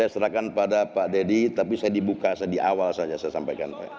saya serahkan pada pak deddy tapi saya dibuka di awal saja saya sampaikan